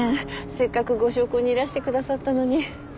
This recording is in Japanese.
せっかくご焼香にいらしてくださったのに。